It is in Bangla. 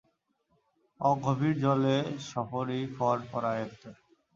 অগভীর জলে সফরী ফর-ফরায়তে।